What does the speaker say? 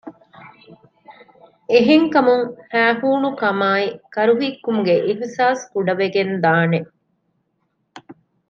އެހެންކަމުން ހައިހޫނުކަމާއި ކަރުހިއްކުމުގެ އިޙްސާސް ކުޑަވެގެންދާނެ